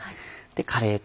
カレー粉。